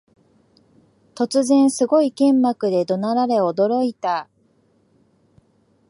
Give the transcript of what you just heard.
突然、すごい剣幕で怒鳴られ驚いた